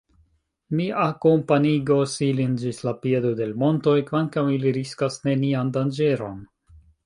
Mi akompanigos ilin ĝis la piedo de l' montoj, kvankam ili riskas nenian danĝeron.